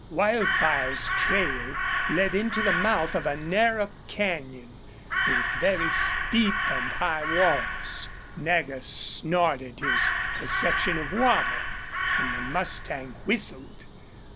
Wildfire's trail led into the mouth of a narrow canyon with very steep and high walls. Nagger snorted his perception of water, and the mustang whistled.